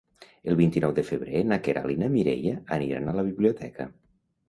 El vint-i-nou de febrer na Queralt i na Mireia aniran a la biblioteca.